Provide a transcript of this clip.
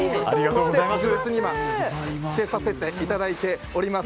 特別に着けさせていただいております。